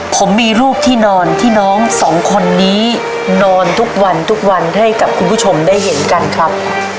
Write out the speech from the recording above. ผมมีรูปที่นอนที่น้องสองคนนี้นอนทุกวันทุกวันให้กับคุณผู้ชมได้เห็นกันครับ